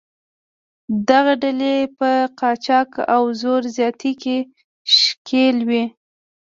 دغه ډلې په قاچاق او زور زیاتي کې ښکېل وې.